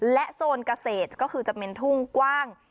โซนเกษตรก็คือจะเป็นทุ่งกว้าง